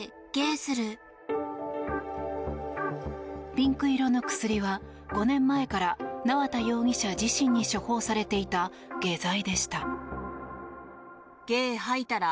ピンク色の薬は、５年前から縄田容疑者自身に処方されていた下剤でした。